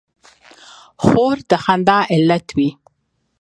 خور د خندا علت وي.